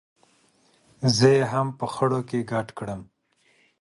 زه یې هم په خړو کې ګډ کړم.